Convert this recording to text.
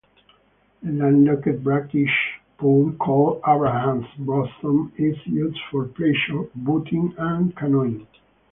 A land-locked brackish pool called Abraham's Bosom is used for pleasure boating and canoeing.